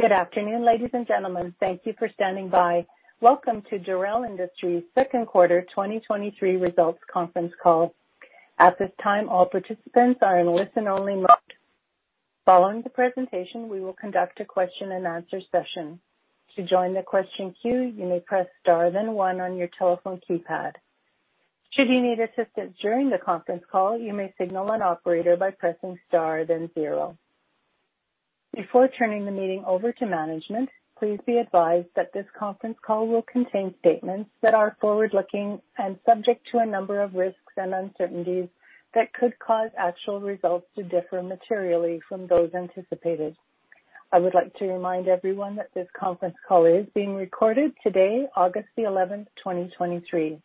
Good afternoon, ladies and gentlemen. Thank you for standing by. Welcome to Dorel Industries' second quarter 2023 results conference call. At this time, all participants are in listen-only mode. Following the presentation, we will conduct a question-and-answer session. To join the question queue, you may press star then one on your telephone keypad. Should you need assistance during the conference call, you may signal an operator by pressing star then zero. Before turning the meeting over to management, please be advised that this conference call will contain statements that are forward-looking and subject to a number of risks and uncertainties that could cause actual results to differ materially from those anticipated. I would like to remind everyone that this conference call is being recorded today, August 11, 2023.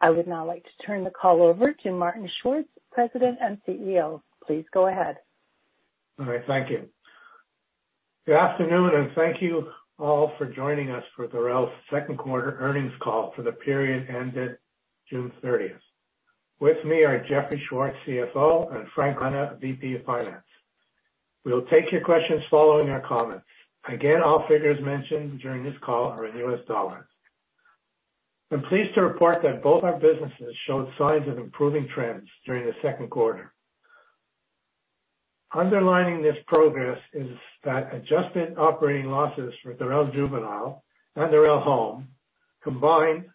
I would now like to turn the call over to Martin Schwartz, President and CEO. Please go ahead. Right, thank you. Good afternoon, thank you all for joining us for Dorel's second quarter earnings call for the period ended June 30th. With me are Jeffrey Schwartz, CFO, and Frank Rana, VP of Finance. We'll take your questions following our comments. Again, all figures mentioned during this call are in U.S. dollars. I'm pleased to report that both our businesses showed signs of improving trends during the second quarter. Underlining this progress is that adjusted operating losses for Dorel Juvenile and Dorel Home combined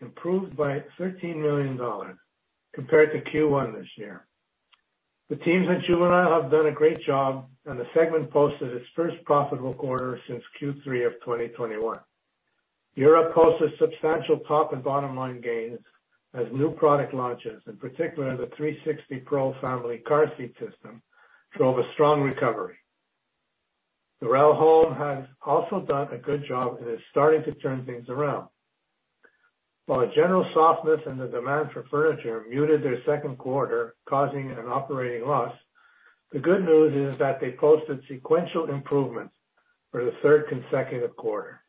improved by $13 million compared to Q1 this year. The teams at Juvenile have done a great job, and the segment posted its first profitable quarter since Q3 of 2021. Europe posted substantial top and bottom line gains as new product launches, in particular the 360 Pro Family car seat system, drove a strong recovery. Dorel Home has also done a good job and is starting to turn things around. While a general softness in the demand for furniture muted their second quarter, causing an operating loss, the good news is that they posted sequential improvements for the third consecutive quarter.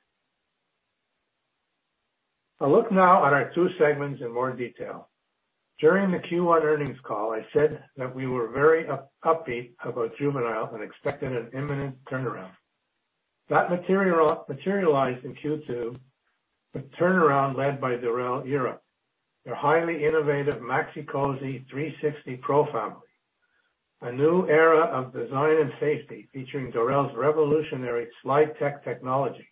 I'll look now at our two segments in more detail. During the Q1 earnings call, I said that we were very upbeat about Juvenile and expected an imminent turnaround. That materialized in Q2, with turnaround led by Dorel Europe, their highly innovative Maxi-Cosi 360 Pro Family. A new era of design and safety, featuring Dorel's revolutionary SlideTech technology,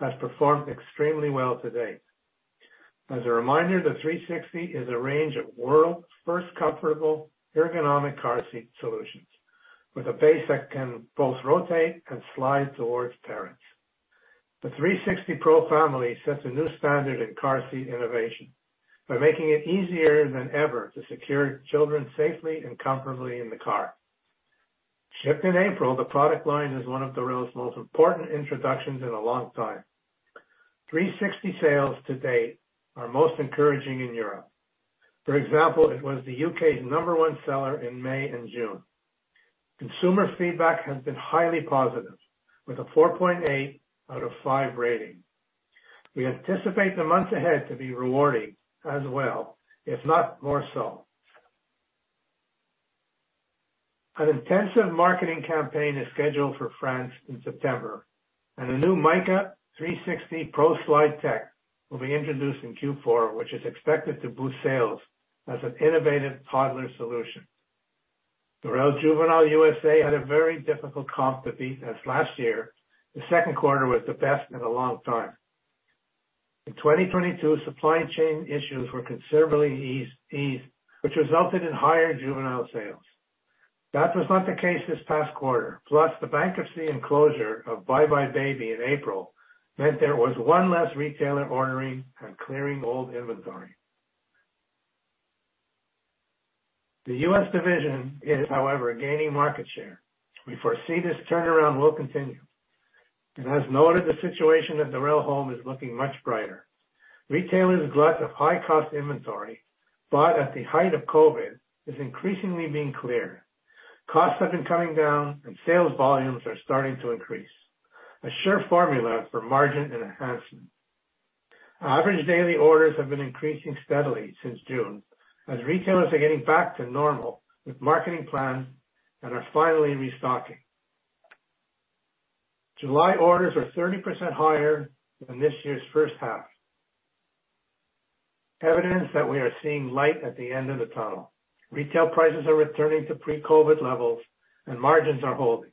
has performed extremely well to date. As a reminder, the 360 is a range of world's first comfortable, ergonomic car seat solutions, with a base that can both rotate and slide towards parents. The 360 Pro Family sets a new standard in car seat innovation by making it easier than ever to secure children safely and comfortably in the car. Shipped in April, the product line is one of Dorel's most important introductions in a long time. 360 sales to date are most encouraging in Europe. For example, it was the U.K.'s number one seller in May and June. Consumer feedback has been highly positive, with a 4.8 out of 5 rating. We anticipate the months ahead to be rewarding as well, if not more so. An intensive marketing campaign is scheduled for France in September, and a new Mica 360 Pro SlideTech will be introduced in Q4, which is expected to boost sales as an innovative toddler solution. Dorel Juvenile USA had a very difficult comp to beat as last year, the second quarter was the best in a long time. In 2022, supply chain issues were considerably eased, eased, which resulted in higher juvenile sales. That was not the case this past quarter, plus the bankruptcy and closure of Buy Buy Baby in April, meant there was one less retailer ordering and clearing old inventory. The U.S. division is, however, gaining market share. We foresee this turnaround will continue, and as noted, the situation at Dorel Home is looking much brighter. Retailers' glut of high-cost inventory, bought at the height of COVID, is increasingly being cleared. Costs have been coming down and sales volumes are starting to increase, a sure formula for margin and enhancement. Our average daily orders have been increasing steadily since June, as retailers are getting back to normal with marketing plans and are finally restocking. July orders are 30% higher than this year's first half. Evidence that we are seeing light at the end of the tunnel. Retail prices are returning to pre-COVID levels, and margins are holding.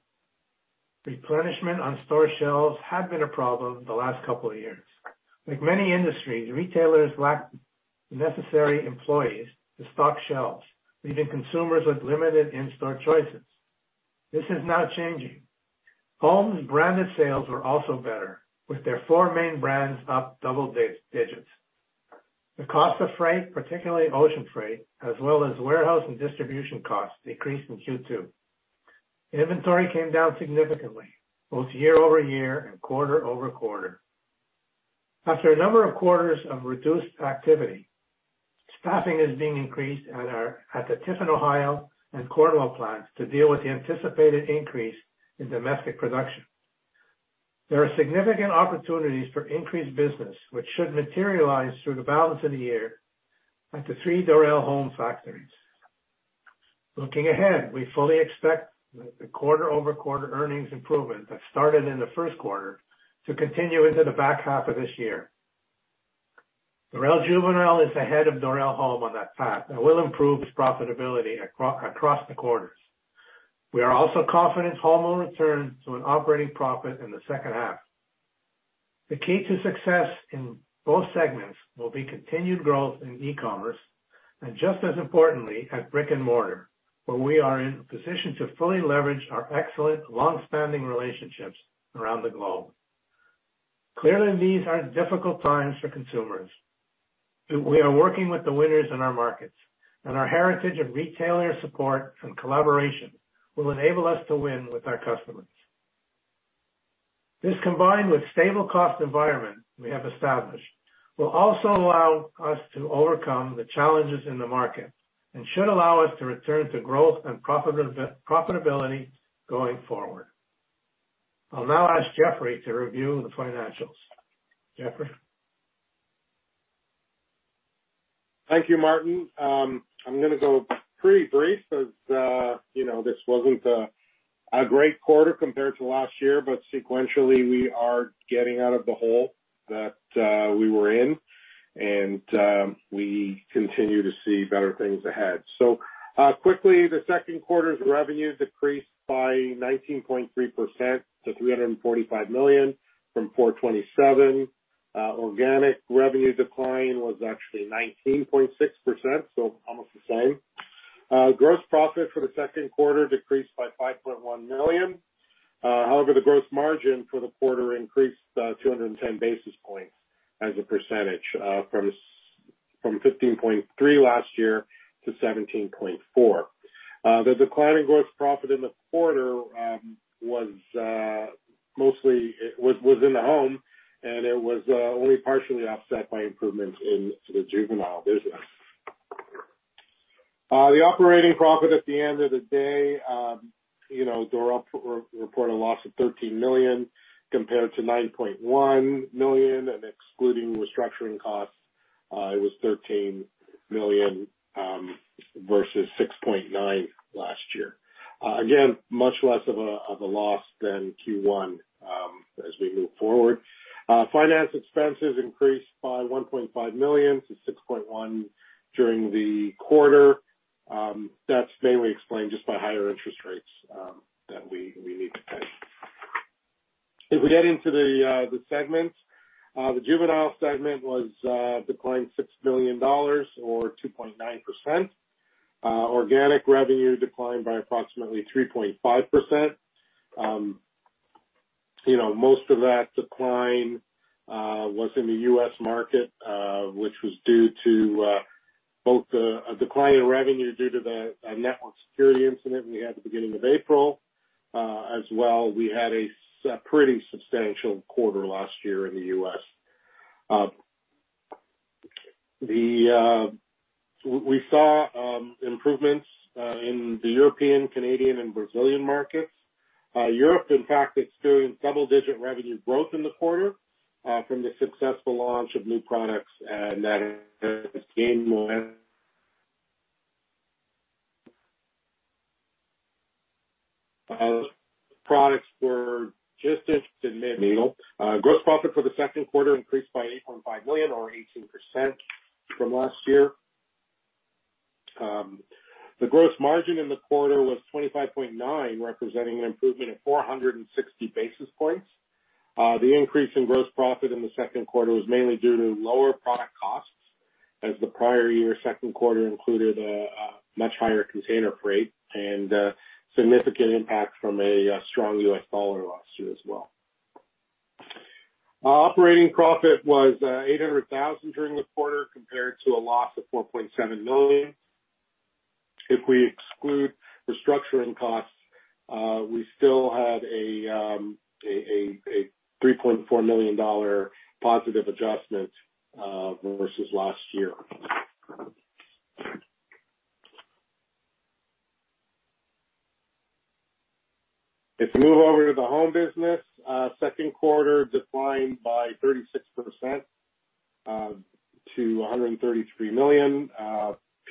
Replenishment on store shelves had been a problem the last couple of years. Like many industries, retailers lacked the necessary employees to stock shelves, leaving consumers with limited in-store choices. This is now changing. Dorel Home branded sales are also better, with their four main brands up double digits. The cost of freight, particularly ocean freight, as well as warehouse and distribution costs, decreased in Q2. Inventory came down significantly, both year-over-year and quarter-over-quarter. After a number of quarters of reduced activity, staffing is being increased at our. At the Tiffin, Ohio, and Cornwall plants to deal with the anticipated increase in domestic production. There are significant opportunities for increased business, which should materialize through the balance of the year at the three Dorel Home factories. Looking ahead, we fully expect the quarter-over-quarter earnings improvement that started in the first quarter to continue into the back half of this year. Dorel Juvenile is ahead of Dorel Home on that path and will improve its profitability across the quarters. We are also confident Home will return to an operating profit in the second half. The key to success in both segments will be continued growth in e-commerce, and just as importantly, at brick-and-mortar, where we are in a position to fully leverage our excellent, long-standing relationships around the globe. Clearly, these are difficult times for consumers. We are working with the winners in our markets. Our heritage of retailer support and collaboration will enable us to win with our customers. This, combined with stable cost environment we have established, will also allow us to overcome the challenges in the market and should allow us to return to growth and profitability going forward. I'll now ask Jeffrey to review the financials. Jeffrey? Thank you, Martin. I'm gonna go pretty brief because, you know, this wasn't a great quarter compared to last year, but sequentially, we are getting out of the hole that we were in, and we continue to see better things ahead. Quickly, the second quarter's revenue decreased by 19.3% to $345 million from $427 million. Organic revenue decline was actually 19.6%, so almost the same. Gross profit for the second quarter decreased by $5.1 million. However, the gross margin for the quarter increased 210 basis points as a percentage, from 15.3% last year to 17.4%. The decline in gross profit in the quarter was mostly in the Home, it was only partially offset by improvements in the Juvenile business. The operating profit at the end of the day, you know, Dorel reported a loss of $13 million, compared to $9.1 million, excluding restructuring costs, it was $13 million versus $6.9 million last year. Again, much less of a loss than Q1 as we move forward. Finance expenses increased by $1.5 million to $6.1 million during the quarter. That's mainly explained just by higher interest rates that we need to pay. If we get into the segments, the Juvenile segment declined $6 million or 2.9%. Organic revenue declined by approximately 3.5%. You know, most of that decline was in the U.S. market, which was due to both a decline in revenue due to the network security incident we had at the beginning of April. As well, we had a pretty substantial quarter last year in the U.S. We saw improvements in the European, Canadian, and Brazilian markets. Europe, in fact, experienced double-digit revenue growth in the quarter from the successful launch of new products, and that gained more... Products were just as the mid-deal. Gross profit for the second quarter increased by $8.5 million or 18% from last year. The gross margin in the quarter was 25.9, representing an improvement of 460 basis points. The increase in gross profit in the second quarter was mainly due to lower product costs, as the prior year's second quarter included a much higher container freight and significant impact from a strong U.S. dollar last year as well. Operating profit was $800,000 during the quarter, compared to a loss of $4.7 million. If we exclude restructuring costs, we still had a $3.4 million positive adjustment versus last year. If we move over to the Home business, second quarter declined by 36% to $133 million.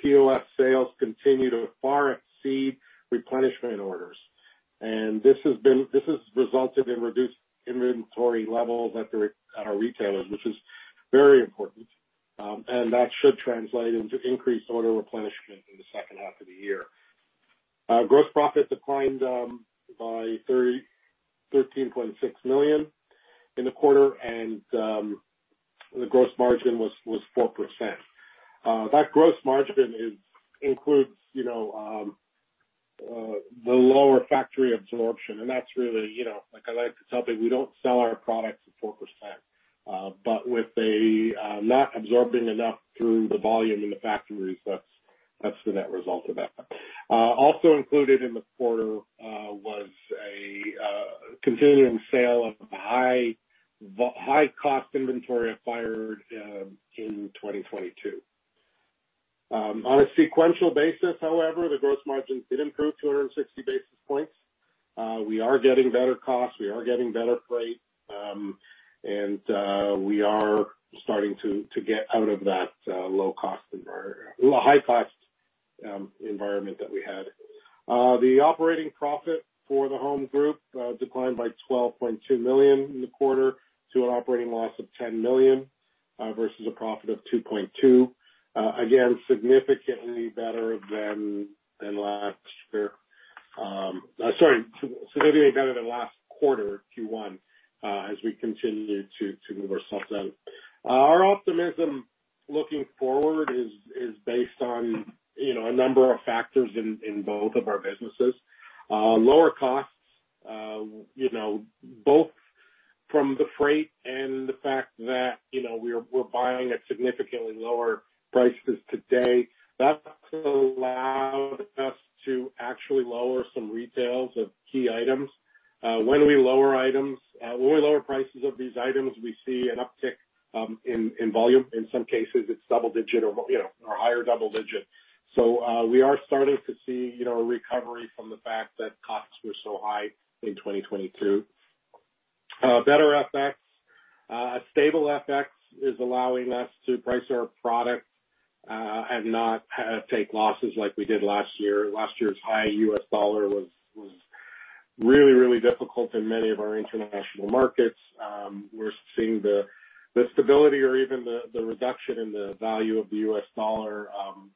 POS sales continue to far exceed replenishment orders, and this has resulted in reduced inventory levels at the re- at our retailers, which is very important. That should translate into increased order replenishment in the second half of the year. Gross profit declined by $13.6 million in the quarter, and the gross margin was 4%. That gross margin includes, you know, the lower factory absorption, and that's really, you know, like I like to tell people, we don't sell our products at 4%. With not absorbing enough through the volume in the factories, that's, that's the net result of that. Also included in the quarter was a continuing sale of high-cost inventory acquired in 2022. On a sequential basis, however, the gross margins did improve 260 basis points. We are getting better costs, we are getting better freight, and we are starting to, to get out of that low-cost environment, high-cost environment that we had. The operating profit for Dorel Home declined by $12.2 million in the quarter, to an operating loss of $10 million, versus a profit of $2.2 million. Again, significantly better than, than last year. Sorry, significantly better than last quarter, Q1, as we continue to, to move ourselves out. Our optimism looking forward is based on, you know, a number of factors in both of our businesses. Lower costs, you know, both from the freight and the fact that, you know, we're buying at significantly lower prices today. That's allowed us to actually lower some retails of key items. When we lower items, when we lower prices of these items, we see an uptick in volume. In some cases, it's double digit or higher double digit. We are starting to see a recovery from the fact that costs were so high in 2022. Better FX. A stable FX is allowing us to price our products and not take losses like we did last year. Last year's high U.S. dollar was really, really difficult in many of our international markets. We're seeing the stability or even the reduction in the value of the U.S. dollar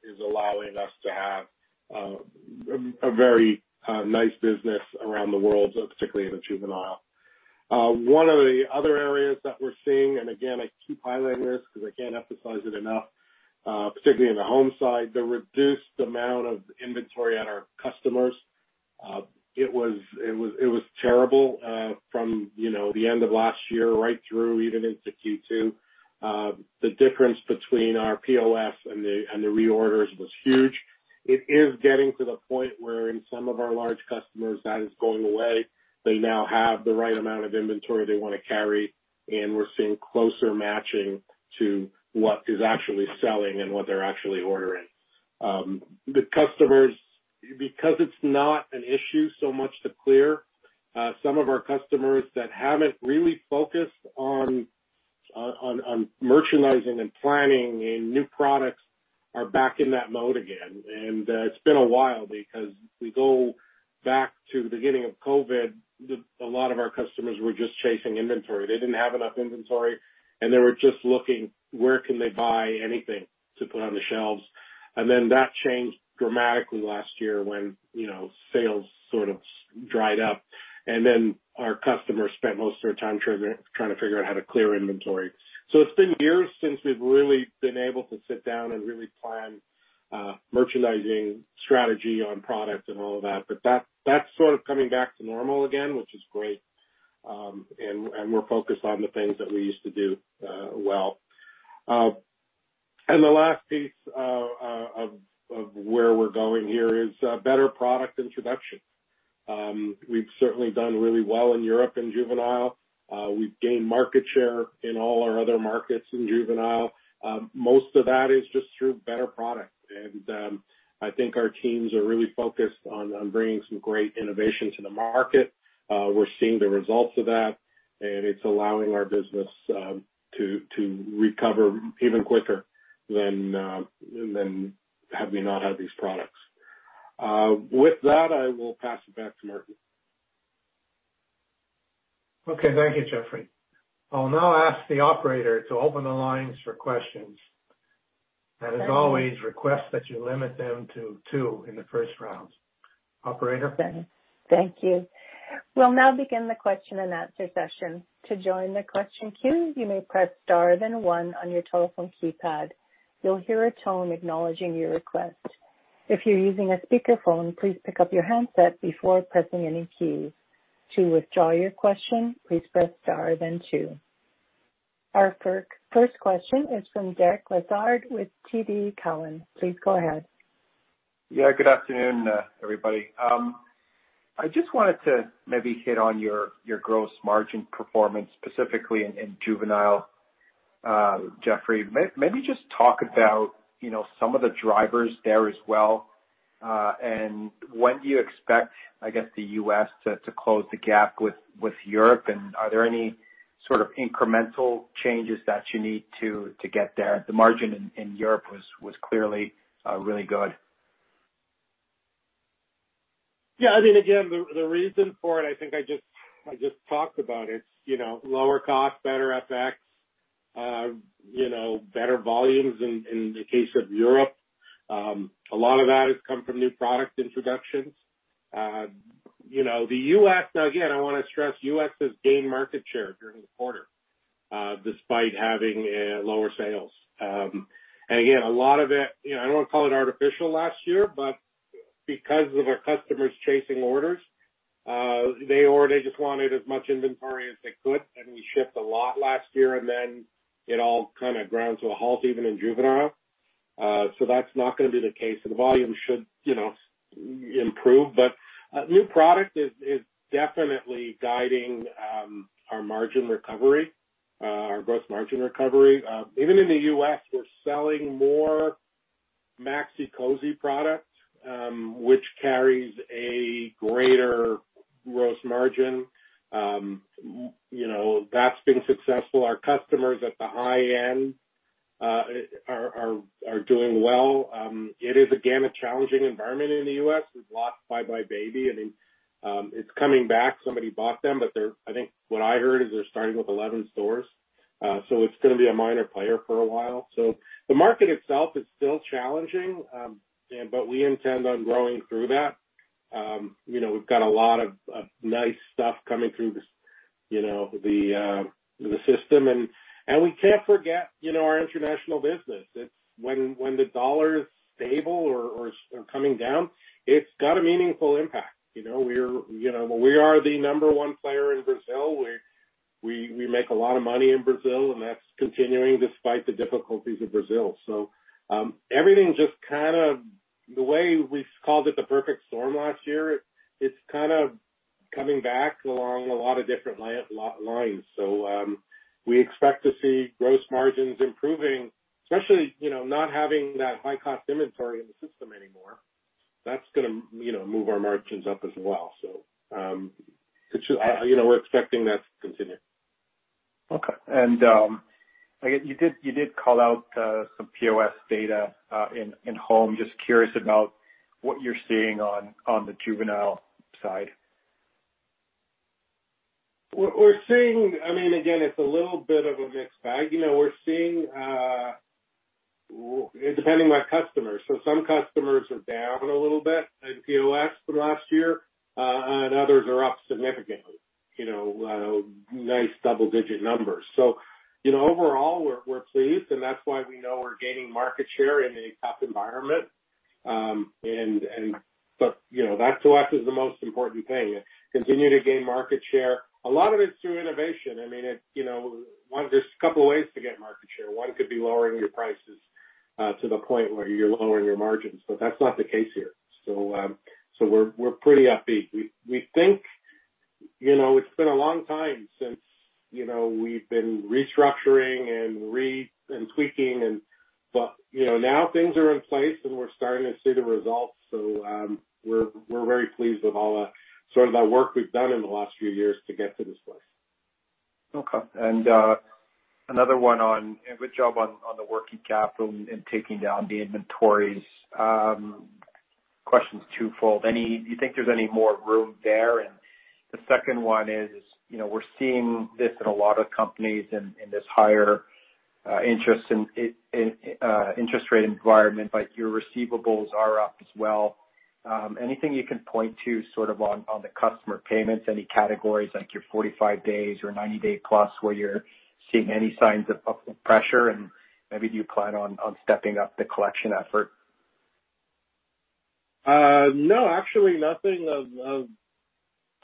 is allowing us to have a very nice business around the world, particularly in the Juvenile. One of the other areas that we're seeing, and again, I keep highlighting this because I can't emphasize it enough, particularly in the home side, the reduced amount of inventory at our customers. It was, it was, it was terrible, from, you know, the end of last year right through even into Q2. The difference between our POS and the, and the reorders was huge. It is getting to the point where in some of our large customers, that is going away. They now have the right amount of inventory they wanna carry, and we're seeing closer matching to what is actually selling and what they're actually ordering. The customers, because it's not an issue so much to clear, some of our customers that haven't really focused on, on, on merchandising and planning and new products are back in that mode again. It's been a while because if we go back to the beginning of COVID, the-- a lot of our customers were just chasing inventory. They didn't have enough inventory, and they were just looking, where can they buy anything to put on the shelves? That changed dramatically last year when, you know, sales sort of dried up, and then our customers spent most of their time trying to figure out how to clear inventory. It's been years since we've really been able to sit down and really plan merchandising strategy on products and all of that. That, that's sort of coming back to normal again, which is great, and, and we're focused on the things that we used to do well. The last piece of where we're going here is better product introduction. We've certainly done really well in Europe and juvenile. We've gained market share in all our other markets in juvenile. Most of that is just through better product, and I think our teams are really focused on, on bringing some great innovation to the market. We're seeing the results of that, and it's allowing our business to, to recover even quicker than had we not had these products. With that, I will pass it back to Martin. Okay, thank you, Jeffrey. I'll now ask the operator to open the lines for questions. As always, request that you limit them to two in the first round. Operator? Thank you. We'll now begin the question and answer session. To join the question queue, you may press star then one on your telephone keypad. You'll hear a tone acknowledging your request. If you're using a speakerphone, please pick up your handset before pressing any keys. To withdraw your question, please press star then two. Our first question is from Derek Lessard with TD Cowen. Please go ahead. Yeah, good afternoon, everybody. I just wanted to maybe hit on your, your gross margin performance, specifically in Dorel Juvenile, Jeffrey Schwartz. Maybe just talk about, you know, some of the drivers there as well, and when do you expect, I guess, the U.S. to, to close the gap with, with Europe? Are there any sort of incremental changes that you need to, to get there? The margin in, in Europe was, was clearly, really good. Yeah, I mean, again, the reason for it, I think I just talked about it. It's, you know, lower cost, better FX, you know, better volumes in the case of Europe. A lot of that has come from new product introductions. You know, the U.S., again, I wanna stress, U.S. has gained market share during the quarter, despite having, lower sales. Again, a lot of it, you know, I don't want to call it artificial last year, but because of our customers chasing orders, they already just wanted as much inventory as they could, and we shipped a lot last year, and then it all kind of ground to a halt, even in juvenile. That's not gonna be the case, so the volume should, you know, improve. New product is, is definitely guiding our margin recovery. Our gross margin recovery. Even in the U.S., we're selling more Maxi-Cosi products, which carries a greater gross margin. You know, that's been successful. Our customers at the high end are, are, are doing well. It is, again, a challenging environment in the U.S. We've lost Buy Buy Baby, and it's coming back. Somebody bought them, but they're-- I think what I heard is they're starting with 11 stores. It's gonna be a minor player for a while. The market itself is still challenging, and but we intend on growing through that. You know, we've got a lot of, of nice stuff coming through this, you know, the system. We can't forget, you know, our international business. When the dollar is stable or coming down, it's got a meaningful impact, you know? We're, you know, we are the number one player in Brazil, where we, we make a lot of money in Brazil, and that's continuing despite the difficulties of Brazil. Everything just kind of, the way we called it, the perfect storm last year, it's kind of coming back along a lot of different lines. We expect to see gross margins improving, especially, you know, not having that high-cost inventory in the system anymore. That's gonna, you know, move our margins up as well. It should, you know, we're expecting that to continue. Okay. I guess you did, you did call out some POS data in Home. Just curious about what you're seeing on the Juvenile side? We're, we're seeing, I mean, again, it's a little bit of a mixed bag. You know, we're seeing it depending what customers. Some customers are down a little bit in POS from last year, and others are up significantly, you know, nice double-digit numbers. You know, overall, we're, we're pleased, and that's why we know we're gaining market share in a tough environment. You know, that to us is the most important thing, continue to gain market share. A lot of it's through innovation. I mean, it, you know, one, there's a couple of ways to get market share. One could be lowering your prices, to the point where you're lowering your margins, but that's not the case here. We're, we're pretty upbeat. We, we think, you know, it's been a long time since, you know, we've been restructuring and tweaking and. You know, now things are in place, and we're starting to see the results. We're, we're very pleased with all the sort of the work we've done in the last few years to get to this place. Okay. Good job on the working capital and taking down the inventories. Question's twofold: You think there's any more room there? The second one is, you know, we're seeing this in a lot of companies in this higher interest rate environment, but your receivables are up as well. Anything you can point to sort of on the customer payments, any categories like your 45 days or 90-day plus, where you're seeing any signs of upward pressure? Maybe, do you plan on stepping up the collection effort? No, actually, nothing of, of,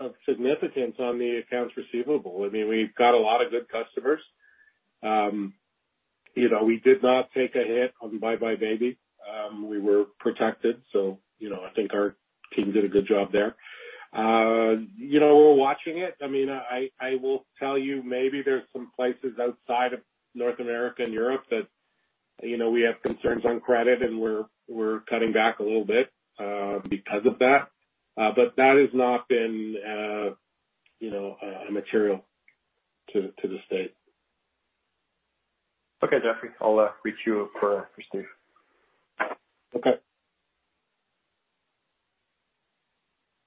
of significance on the accounts receivable. I mean, we've got a lot of good customers. You know, we did not take a hit on Buy Buy Baby. We were protected, so, you know, I think our team did a good job there. You know, we're watching it. I mean, I, I will tell you, maybe there's some places outside of North America and Europe that, you know, we have concerns on credit, and we're, we're cutting back a little bit because of that. That has not been, you know, material to, to the state. Okay, Jeffrey, I'll, reach you for anything. Okay.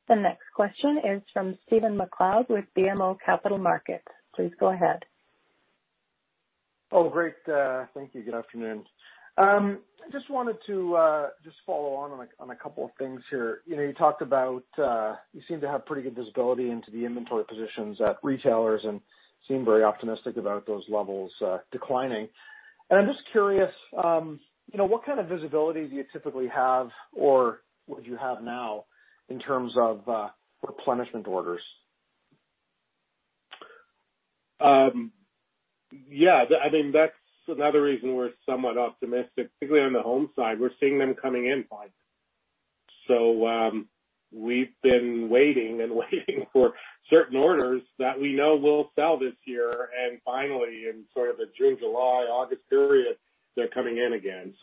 The next question is from Stephen MacLeod with BMO Capital Markets. Please go ahead. Oh, great. Thank you. Good afternoon. I just wanted to just follow on, on a, on a couple of things here. You know, you talked about... You seem to have pretty good visibility into the inventory positions at retailers and seem very optimistic about those levels declining. I'm just curious, you know, what kind of visibility do you typically have, or would you have now in terms of replenishment orders? Yeah, I mean, that's another reason we're somewhat optimistic, particularly on the home side. We're seeing them coming in finally. We've been waiting and waiting for certain orders that we know will sell this year, and finally, in sort of the June, July, August period, they're coming in again.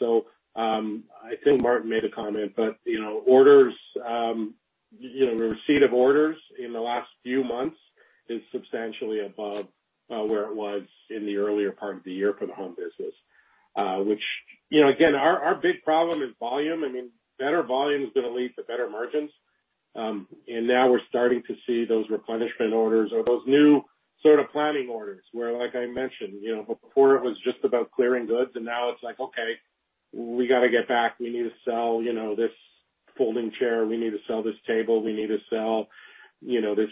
I think Martin made a comment, but, you know, orders, you know, the receipt of orders in the last few months is substantially above, where it was in the earlier part of the year for the home business. Which, you know, again, our big problem is volume. I mean, better volume is gonna lead to better margins. Now we're starting to see those replenishment orders or those new sort of planning orders, where, like I mentioned, you know, before it was just about clearing goods, and now it's like, okay, we gotta get back. We need to sell, you know, this folding chair. We need to sell this table. We need to sell, you know, this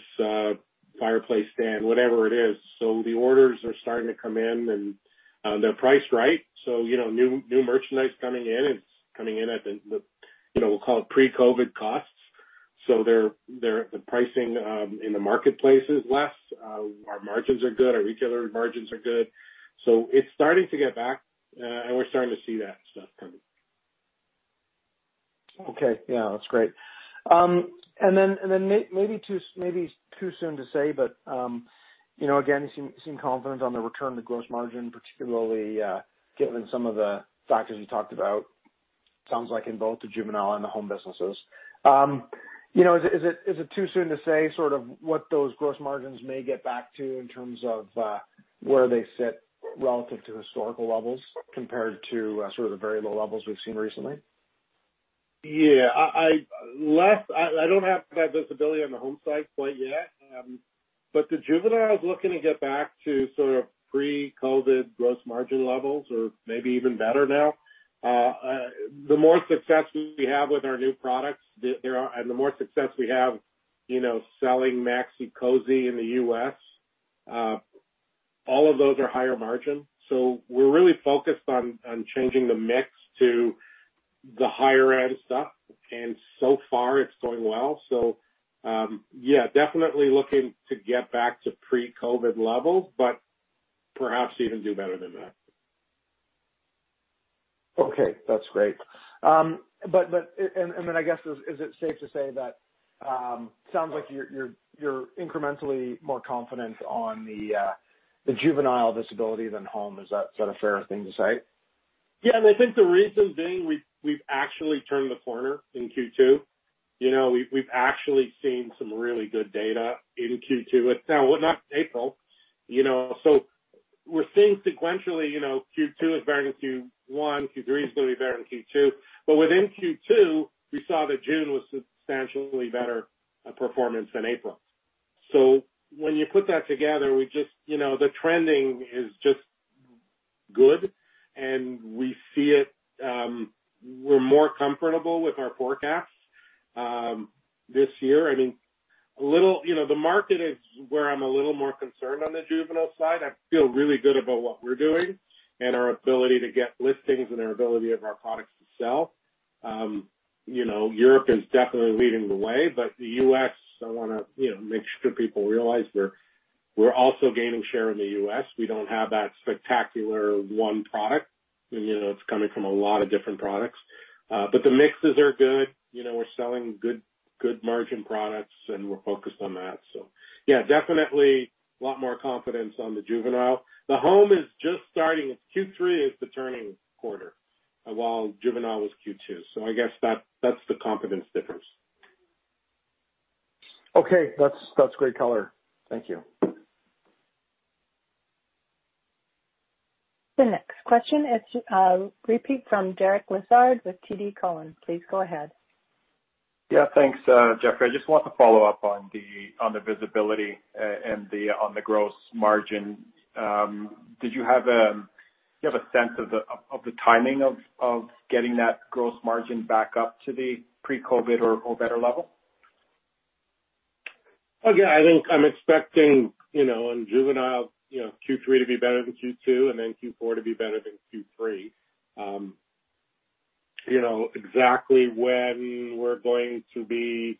fireplace stand, whatever it is. The orders are starting to come in, and they're priced right. You know, new, new merchandise coming in, it's coming in at the, the, you know, we'll call it pre-COVID costs. The pricing in the marketplace is less. Our margins are good, our retailer margins are good. It's starting to get back, and we're starting to see that stuff coming. Okay. Yeah, that's great. Then, and then maybe too, maybe too soon to say, but, you know, again, you seem, seem confident on the return to gross margin, particularly given some of the factors you talked about. Sounds like in both the juvenile and the home businesses. You know, is it, is it too soon to say sort of what those gross margins may get back to in terms of, where they sit relative to historical levels compared to, sort of the very low levels we've seen recently? Yeah, I don't have that visibility on the home side quite yet. The juvenile is looking to get back to sort of pre-COVID gross margin levels or maybe even better now. The more success we have with our new products, the, and the more success we have, you know, selling Maxi-Cosi in the U.S., all of those are higher margin. We're really focused on, on changing the mix to the higher end stuff, and so far it's going well. Yeah, definitely looking to get back to pre-COVID levels, but perhaps even do better than that. Okay, that's great. I guess, is it safe to say that, sounds like you're incrementally more confident on the juvenile visibility than home? Is that sort of fair thing to say? Yeah, I think the reason being, we've, we've actually turned the corner in Q2. You know, we've, we've actually seen some really good data in Q2. It's now, well, not April, you know, we're seeing sequentially, you know, Q2 is better than Q1, Q3 is gonna be better than Q2. Within Q2, we saw that June was substantially better performance than April. When you put that together, we just, you know, the trending is just good, and we see it, we're more comfortable with our forecasts this year. I think. You know, the market is where I'm a little more concerned on the juvenile side. I feel really good about what we're doing and our ability to get listings and our ability of our products to sell. You know, Europe is definitely leading the way. The U.S., I wanna, you know, make sure people realize we're, we're also gaining share in the U.S. We don't have that spectacular one product. You know, it's coming from a lot of different products. The mixes are good. You know, we're selling good, good margin products, and we're focused on that. Yeah, definitely a lot more confidence on the juvenile. The home is just starting. Q3 is the turning quarter, while juvenile was Q2. I guess that-that's the confidence difference. Okay. That's great color. Thank you. The next question is, repeat from Derek Lessard with TD Cowen. Please go ahead. Thanks, Jeffrey. I just want to follow up on the, on the visibility, and the, on the gross margin. Did you have, do you have a sense of the, of, of the timing of, of getting that gross margin back up to the pre-COVID or, or better level? I think I'm expecting, you know, in juvenile, you know, Q3 to be better than Q2, and then Q4 to be better than Q3. You know, exactly when we're going to be,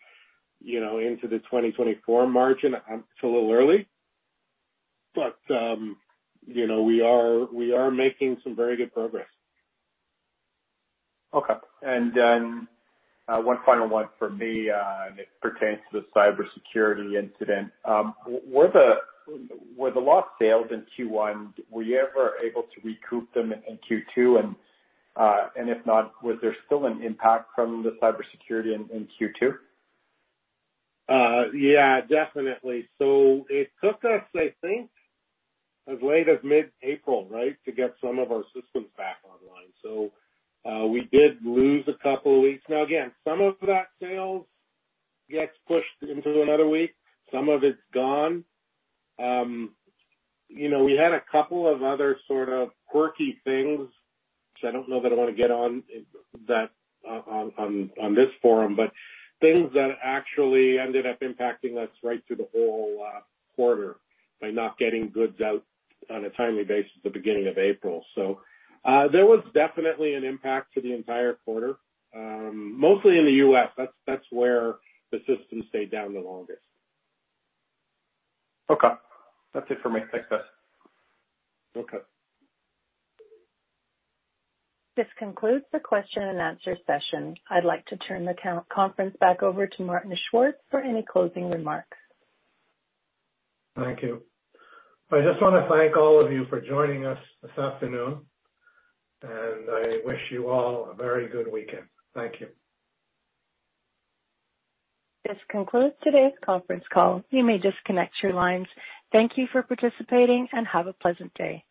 you know, into the 2024 margin, it's a little early, but, you know, we are, we are making some very good progress. Okay. One final one for me, and it pertains to the cybersecurity incident. Were the, were the lost sales in Q1, were you ever able to recoup them in Q2? If not, was there still an impact from the cybersecurity in Q2? Yeah, definitely. It took us, I think, as late as mid-April, right, to get some of our systems back online. We did lose two weeks. Now, again, some of that sales gets pushed into another week. Some of it's gone. You know, we had two other sort of quirky things, which I don't know that I want to get on that on, on, on this forum, but things that actually ended up impacting us right through the whole quarter by not getting goods out on a timely basis at the beginning of April. There was definitely an impact to the entire quarter, mostly in the U.S. That's, that's where the system stayed down the longest. Okay, that's it for me. Thanks, guys. Okay. This concludes the question and answer session. I'd like to turn the conference back over to Martin Schwartz for any closing remarks. Thank you. I just wanna thank all of you for joining us this afternoon. I wish you all a very good weekend. Thank you. This concludes today's conference call. You may disconnect your lines. Thank you for participating and have a pleasant day.